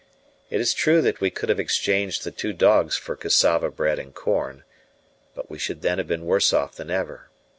It is true that we could have exchanged the two dogs for cassava bread and corn, but we should then have been worse off than ever.